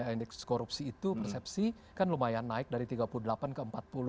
indeks korupsi itu persepsi kan lumayan naik dari tiga puluh delapan ke empat puluh